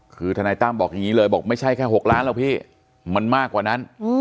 คือทนายตั้มบอกอย่างนี้เลยบอกไม่ใช่แค่๖ล้านหรอกพี่มันมากกว่านั้น